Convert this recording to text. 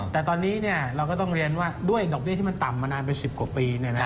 แต่ตอนนี้เราก็ต้องเรียนว่าด้วยดอกเบี้ยที่มันต่ำมานานเป็น๑๐กว่าปี